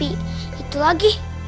aku mau masuk